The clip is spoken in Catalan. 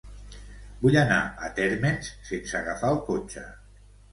Vull anar a Térmens sense agafar el cotxe.